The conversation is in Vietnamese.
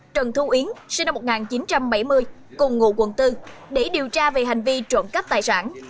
trần thu yến sinh năm một nghìn chín trăm bảy mươi cùng ngụ quận bốn để điều tra về hành vi trộm cắp tài sản